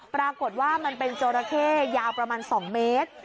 ปรากฏว่ามันเป็นจราเข้ยาวประมาณ๒เมตร